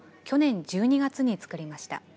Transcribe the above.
去年１２月に作りました。